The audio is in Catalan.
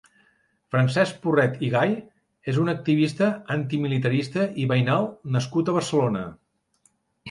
Francesc Porret i Gay és un activista antimilitarista i veïnal nascut a Barcelona.